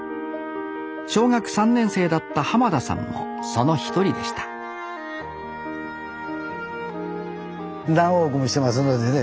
小学３年生だった田さんもその一人でした何往復もしてますのでね